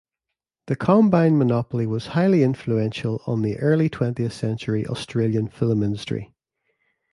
The Combine monopoly was highly influential on the early twentieth century Australian film industry.